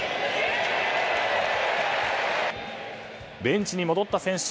ベンチに戻った選手